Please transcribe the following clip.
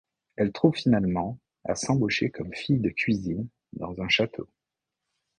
Elles trouvent finalement à s'embaucher comme filles de cuisine dans un château.